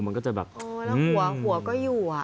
มันก็จะแบบเอ่ย